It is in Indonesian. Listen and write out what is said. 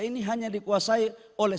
ini hanya dikuasai oleh